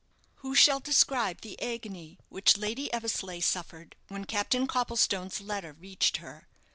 Who shall describe the agony which Lady Eversleigh suffered when Captain Copplestone's letter reached her?